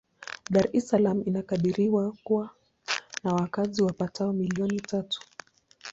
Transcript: Dar es Salaam inakadiriwa kuwa na wakazi wapatao milioni tatu.